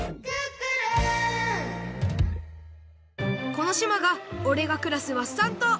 このしまがおれがくらすワッサン島。